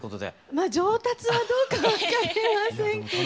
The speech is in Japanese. まっ上達はどうか分かりませんけど。